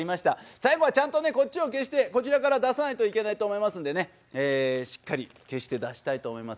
最後はちゃんとねこっちを消してこちらから出さないといけないと思いますんでねええしっかり消して出したいと思います。